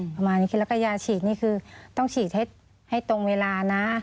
ประมาณนี้ขึ้นแล้วก็ยาฉีดนี่คือต้องฉีดเท็จให้ตรงเวลานะ